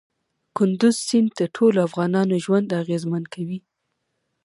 کندز سیند د ټولو افغانانو ژوند اغېزمن کوي.